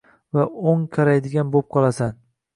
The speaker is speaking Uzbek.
Va o‘n qaraydigan bo‘pqolasan.